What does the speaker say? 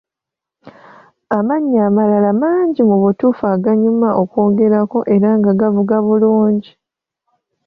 Amanya amalala mangi mu butuufu aganyuma okwogerako era nga gavuga bulungi.